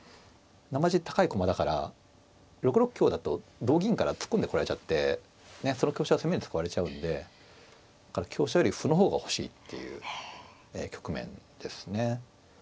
なまじ高い駒だから６六香だと同銀から突っ込んでこられちゃってその香車は攻めに使われちゃうんでだから香車より歩の方が欲しいっていう局面ですね。